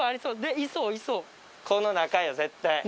この中よ絶対。